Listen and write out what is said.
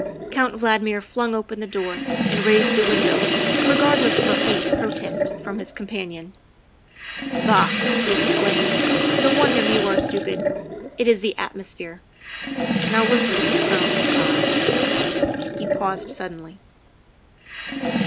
Count Valdmir flung open the door and raised the window, regardless of a faint protest from his com panion. '' Bah, '' he exclaimed, '' no wonder you are stupid ; it is the atmosphere. Now listen, Colonel St. John. '' He paused suddenly.